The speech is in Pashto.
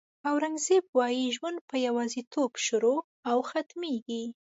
اورنګزېب وایي ژوند په یوازېتوب شروع او ختمېږي.